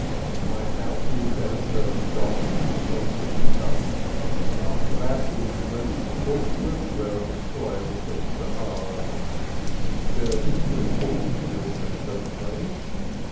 At my house he will get a certain document from Whittaker, and after that he will be motored to Portsmouth where a destroyer will take him to Havre. His journey is too important for the ordinary boat train.